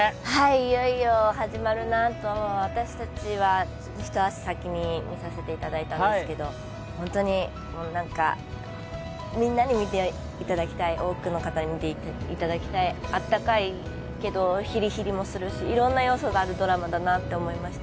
いよいよ始まるなと、私たちは一足先に見させていただいたんですけど本当にみんなに見ていただきたい、多くの方に見ていただきたいあったかいけど、ひりひりもするしいろんな要素があるドラマだなと思いました。